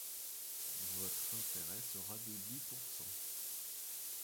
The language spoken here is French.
Votre intérêt sera de dix pour cent.